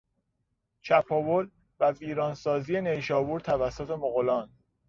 چپاول و ویران سازی نیشابور توسط مغولان